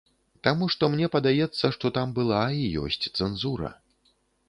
Таму што мне падаецца, што там была і ёсць цэнзура.